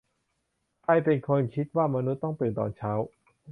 ใครเป็นคนคิดว่ามนุษย์ต้องตื่นตอนเช้า